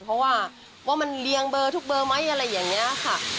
เพราะว่ามันเรียงเบอร์ทุกเบอร์ไหมอะไรอย่างนี้ค่ะ